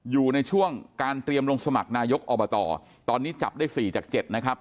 อยู่ในช่วงการเตรียมลงสมัครนายกอบตตอนนี้จับได้๔จาก๗นะครับ